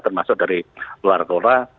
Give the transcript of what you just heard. termasuk dari luar kota